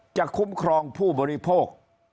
คุ้มครองผู้บริโภค